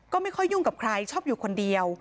ก็ไม่ค่อยยุ่งกับใครชอบอยู่คนเดียว